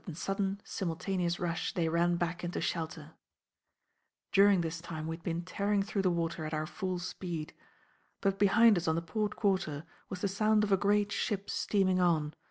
With a sudden simultaneous rush they ran back into shelter. During this time we had been tearing through the water at our full speed. But behind us on the port quarter was the sound of a great ship steaming on.